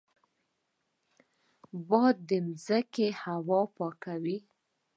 باد د ځمکې هوا پاکوي